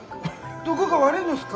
どこか悪いんですか？